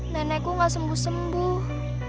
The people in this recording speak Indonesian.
nenekku gak sembuh sembuh